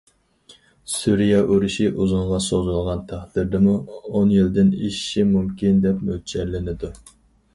سۈرىيە ئۇرۇشى ئۇزۇنغا سوزۇلغان تەقدىردىمۇ ئون يىلدىن ئېشىشى مۇمكىن دەپ مۆلچەرلىنىدۇ.